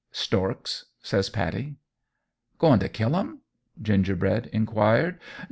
"Storks," says Pattie. "Goin' t' kill 'em?" Gingerbread inquired.